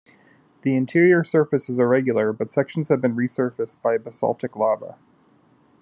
The interior surface is irregular, but sections have been resurfaced by basaltic lava.